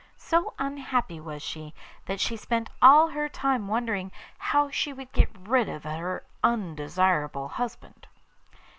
So unhappy was she that she spent all her time wondering how she should get rid of her undesirable husband.